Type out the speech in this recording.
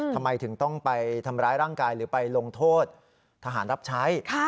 ทำไมถึงต้องไปทำร้ายร่างกายหรือไปลงโทษทหารรับใช้